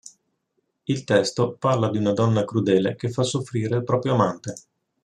Il testo parla di una donna crudele che fa soffrire il proprio amante.